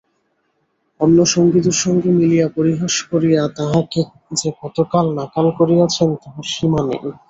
অন্য সঙ্গীদের সঙ্গে মিলিয়া পরিহাস করিয়া তাঁহাকে যে কতকাল নাকাল করিয়াছেন তাহার সীমা নাই।